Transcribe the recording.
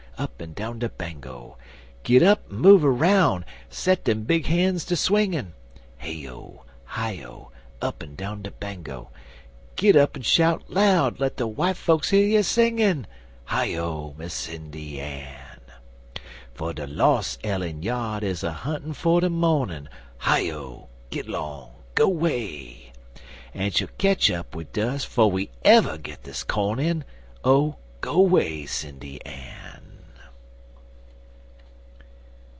Up'n down de Bango!) Git up en move aroun'! set dem big han's ter swingin' (Hey O! Hi O! Up'n down de Bango!) Git up'n shout loud! let de w'ite folks year you singin'! (Hi O, Miss Sindy Ann!) For de los' ell en yard is a huntin' for de mornin' (Hi O! git long! go 'way!) En she'll ketch up wid dus 'fo' we ever git dis corn in. (Oh, go 'way Sindy Ann!)